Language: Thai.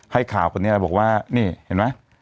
ให้ข่าวคนนี้แล้วบอกว่านี่เห็นไหม